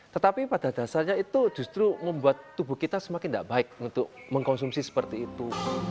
tetapi pada dasarnya itu justru membuat tubuh kita semakin tidak baik untuk mengkonsumsi seperti itu